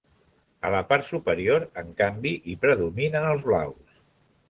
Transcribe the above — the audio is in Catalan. A la part superior, en canvi, hi predominen els blaus.